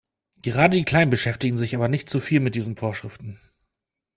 Gerade die Kleinen beschäftigen sich aber nicht zuviel mit diesen Vorschriften.